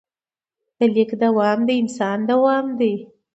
د لیک دوام د انسان دوام دی.